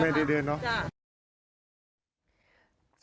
ไม่ได้เดินเนอะ